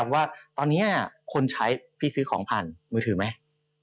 ว่าตอนนี้คนใช้พี่ซื้อของผ่านมือถือไหม